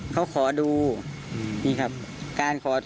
เขทำไมหน่อยนะคะ